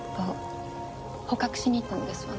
捕獲しに行ったのですわね。